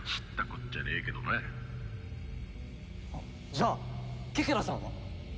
じゃあケケラさんは？